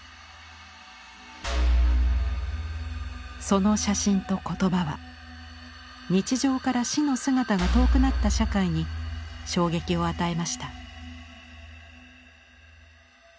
その写真と言葉は日常から「死」の姿が遠くなった社会に衝撃を与えました。